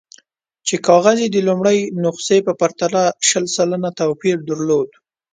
چې کاغذ یې د لومړۍ نسخې په پرتله شل سلنه توپیر درلود.